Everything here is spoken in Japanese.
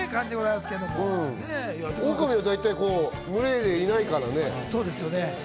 オオカミはだいたい群でいないからね。